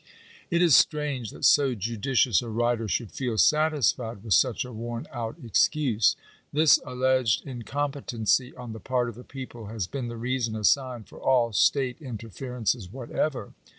It is strange that so judicious a writer should feel satisfied with suoh a worn out excuse. This alleged incompetency on the part of the people has been the reason assigned for all state interferences whatever.